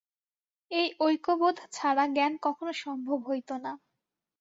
এই ঐক্যবোধ ছাড়া জ্ঞান কখনও সম্ভব হইত না।